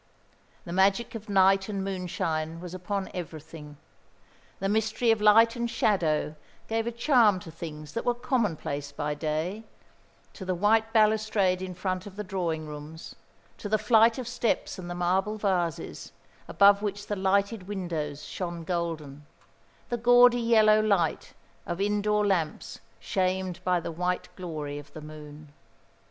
The magic of night and moonshine was upon everything; the mystery of light and shadow gave a charm to things that were commonplace by day to the white balustrade in front of the drawing rooms, to the flight of steps and the marble vases, above which the lighted windows shone golden, the gaudy yellow light of indoor lamps shamed by the white glory of the moon.